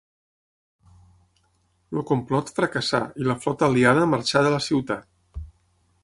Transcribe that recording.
El complot fracassà i la flota aliada marxà de la ciutat.